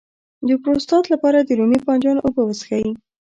د پروستات لپاره د رومي بانجان اوبه وڅښئ